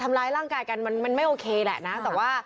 ไม่รู้ว่าใครบางค่ะ